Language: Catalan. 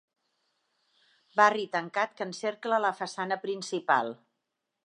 Barri tancat que encercla la façana principal.